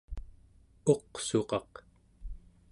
uqsuqaq